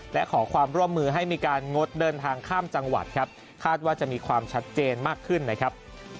และขอความร่วมมือให้มีการงดเดินทางข้ามจังหวัดครับคาดว่าจะมีความชัดเจนมากขึ้นนะครับ